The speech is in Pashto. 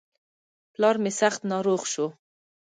پلار مې سخت ناروغ شو د جملې بېلګه ده.